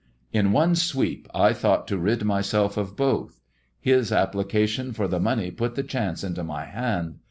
Izi one sm thought to rid myself of both. His applicntion for money put the cliance into my hand.